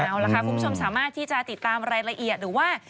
เอาล่ะค่ะคุณผู้ชมสามารถที่จะติดตามรายละเอียดหรือว่า